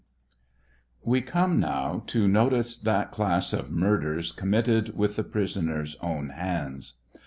We come now to notice that class of murders committed with the prisoner's own hands.